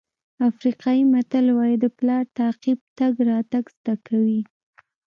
افریقایي متل وایي د پلار تعقیب تګ راتګ زده کوي.